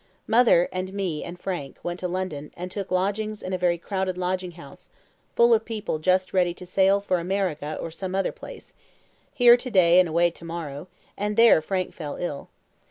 Mother, and me, and Frank, went to London, and took lodgings in a very crowded lodging house, full of people just ready to sail for America or some other place here to day and away to morrow and there Frank fell ill.